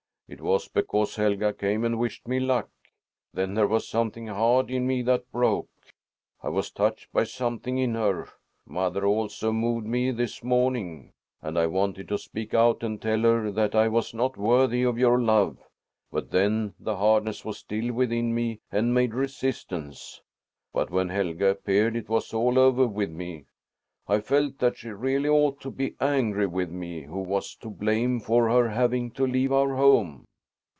"It was because Helga came and wished me luck. Then there was something hard in me that broke. I was touched by something in her. Mother, also, moved me this morning, and I wanted to speak out and tell her that I was not worthy of your love; but then the hardness was still within me and made resistance. But when Helga appeared, it was all over with me. I felt that she really ought to be angry with me who was to blame for her having to leave our home."